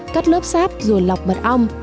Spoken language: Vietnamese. cắt lớp sáp rồi lọc mật ong